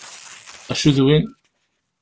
Acu d win?